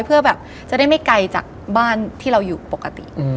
เพื่อแบบจะได้ไม่ไกลจากบ้านที่เราอยู่ปกติ